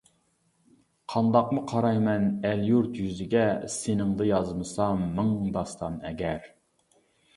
قانداقمۇ قارايمەن ئەل-يۇرت يۈزىگە، سېنىڭدە يازمىسام مىڭ داستان ئەگەر!